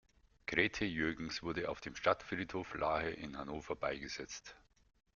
Grethe Jürgens wurde auf dem Stadtfriedhof Lahe in Hannover beigesetzt.